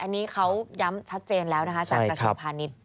อันนี้เขาย้ำชัดเจนแล้วนะคะจากกระทรวงพาณิชย์